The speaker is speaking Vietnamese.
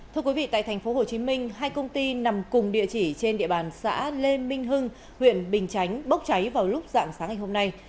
thưa quý vị tại tp hcm hai công ty nằm cùng địa chỉ trên địa bàn xã lê minh hưng huyện bình chánh bốc cháy vào lúc dạng sáng ngày hôm nay